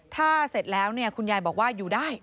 ถ้าเสร็จแล้วคุณยายบอกว่าอยู่ได้